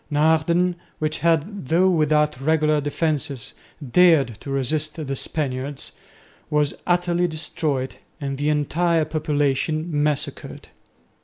Naarden, which had, though without regular defences, dared to resist the Spaniards, was utterly destroyed and the entire population massacred.